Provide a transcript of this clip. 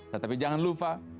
tetapi jangan lupa